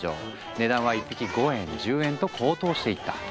値段は１匹５円１０円と高騰していった。